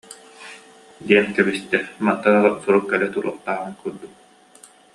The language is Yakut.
диэн кэбистэ, мантан ыла сурук кэлэ туруохтааҕын курдук